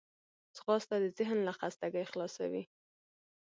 ځغاسته د ذهن له خستګي خلاصوي